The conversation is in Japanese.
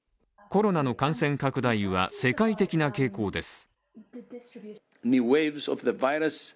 コロナの感染拡大は世界的な傾向です。